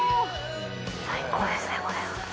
最高ですねこれは。